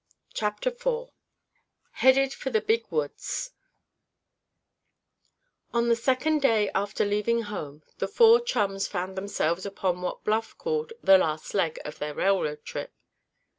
CHAPTER IV HEADED FOR THE BIG WOODS On the second day after leaving home, the four chums found themselves upon what Bluff called the "last leg" of their railroad trip.